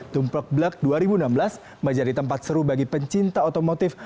tumplek blek dua ribu enam belas menjadi tempat seru bagi pencinta otomotif